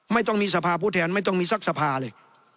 ไม่ต้องมีสภาผู้แทนไม่ต้องมีสักสภาเลย